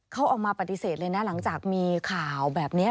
เขาออกมาปฏิเสธเลยนะหลังจากมีข่าวแบบนี้